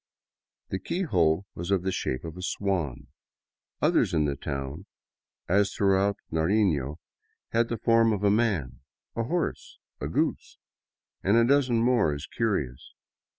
The keyhole was of the shape of a swan; others in the town, as throughout Nariiio, had the form of a man, a horse, a goose, and a dozen more as curious.